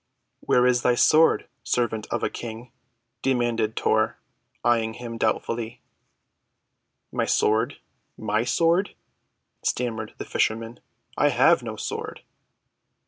"Where is thy sword, servant of a King?" demanded Tor, eyeing him doubtfully. "My sword—my sword?" stammered the fisherman. "I have no sword."